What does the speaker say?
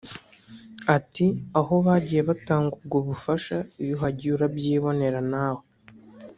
Ati” Aho bagiye batanga ubwo bufasha iyo uhagiye urabyibonera nawe